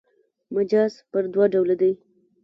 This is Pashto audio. مجاز پر دوه ډوله دﺉ.